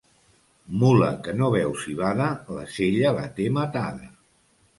Mula que no veu civada, la sella la té matada.